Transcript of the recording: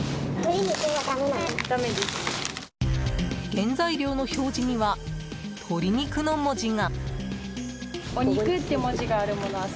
原材料の表示には鶏肉の文字が。